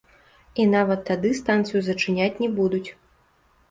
І нават тады станцыю зачыняць не будуць.